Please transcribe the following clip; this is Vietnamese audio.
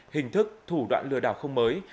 hình thức thủ đoạn lừa đảo không mới